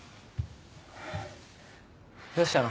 どうしたの？